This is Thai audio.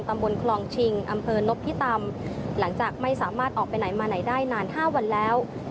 ตำบลคลองชิงอำเภอนพิตำหลังจากไม่สามารถออกไปไหนมาไหนได้นาน๕วันแล้ว